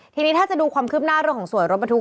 ทีนี้ถ้าจะดูความคืบหน้าเรื่องของสวยรถบรรทุก